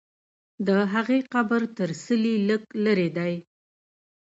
د هغې قبر تر څلي لږ لرې دی.